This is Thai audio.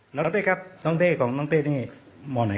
น้องเต้ครับน้องเต้ของน้องเต้นี่หมอไหนครับหมอสาม